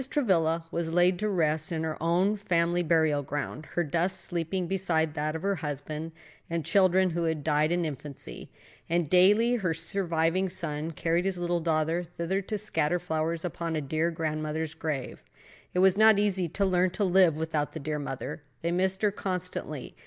Travilla was laid to rest in their own family burial ground, her dust sleeping beside that of her husband, and children who had died in infancy; and daily her surviving son carried his little daughter thither to scatter flowers upon "dear grandma's grave." It was not easy to learn to live without the dear mother; they missed her constantly.